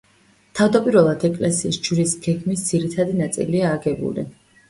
თავდაპირველად ეკლესიის ჯვრის გეგმის ძირითადი ნაწილია აგებული.